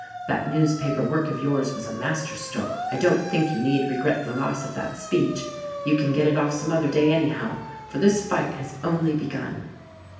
"That newspaper work of yours was a masterstroke. I don't think you need regret the loss of that speech — you can get it off some other day anyhow; for this fight has only begun."